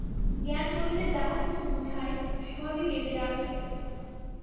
জ্ঞান বলিতে যাহা কিছু বুঝায়, সবই বেদে আছে।